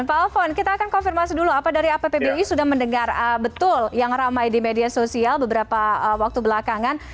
pak alfon kita akan konfirmasi dulu apa dari appbi sudah mendengar betul yang ramai di media sosial beberapa waktu belakangan